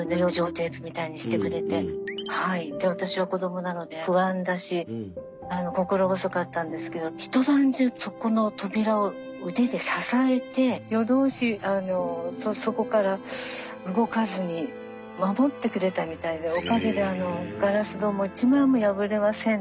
テープみたいにしてくれてで私は子どもなので不安だし心細かったんですけど一晩中そこの扉を腕で支えて夜通しそこから動かずに守ってくれてたみたいでおかげでガラス戸も一枚も破れません